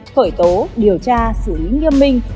khởi tố điều tra xử lý nghiêm minh